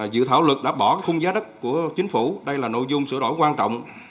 dự thảo luật đã bỏ khung giá đất của chính phủ đây là nội dung sửa đổi quan trọng